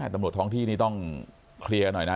ตำรวจท้องที่นี่ต้องเคลียร์หน่อยนะ